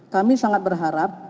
kami sangat berharap